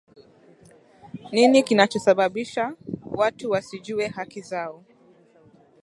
nini kinachosababisha watu wasijue haki zao